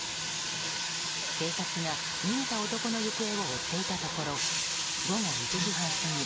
警察が、逃げた男の行方を追っていたところ午後１時半過ぎ